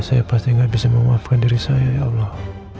saya pasti gak bisa memaafkan diri saya ya allah